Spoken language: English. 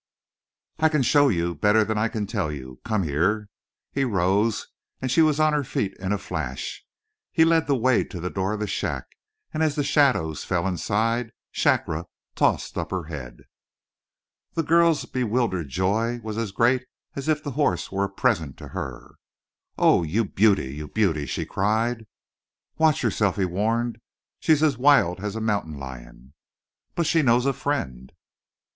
"I can show you better than I can tell you! Come here!" He rose, and she was on her feet in a flash. He led the way to the door of the shack, and as the shadows fell inside, Shakra tossed up her head. The girl's bewildered joy was as great as if the horse were a present to her. "Oh, you beauty, you beauty," she cried. "Watch yourself," he warned. "She's as wild as a mountain lion." "But she knows a friend!"